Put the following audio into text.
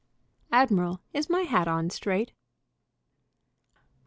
"ADMIRAL, IS MY HAT ON STRAIGHT?"